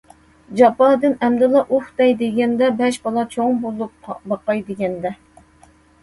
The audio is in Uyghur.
جاپادىن ئەمدىلا ئۇھ دەي دېگەندە، بەش بالا چوڭ بولۇپ باقاي دېگەندە.